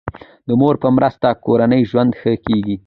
د مور په مرسته کورنی ژوند ښه کیږي.